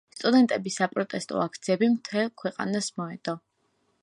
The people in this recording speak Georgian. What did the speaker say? სტუდენტების საპროტესტო აქციები მთელ ქვეყანას მოედო.